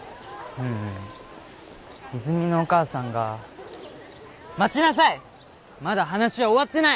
うん泉のお母さんが待ちなさいまだ話は終わってない！